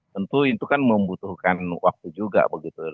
tentu itu kan membutuhkan waktu juga begitu